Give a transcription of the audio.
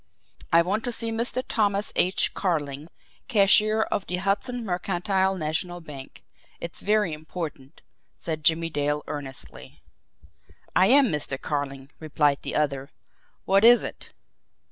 "I want to see Mr. Thomas H. Carling, cashier of the Hudson Mercantile National Bank it's very important," said Jimmie Dale earnestly. "I am Mr. Carling," replied the other. "What is it?"